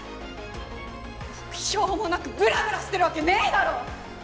目標もなくブラブラしてるわけねえだろ！